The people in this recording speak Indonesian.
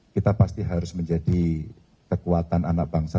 kita pasti harus menjadi kekuatan anak bangsa